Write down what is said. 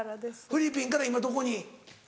フィリピンから今どこに？